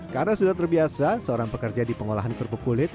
karena sudah terbiasa seorang pekerja di pengolahan kerupuk kulit